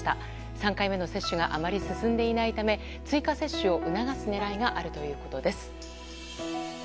３回目の接種があまり進んでいないため追加接種を促す狙いがあるということです。